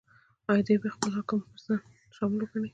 ایا دی به خپل حکم پر ځان شامل وګڼي؟